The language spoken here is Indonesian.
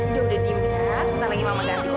dia udah diem ya sebentar lagi mama ganti wangannya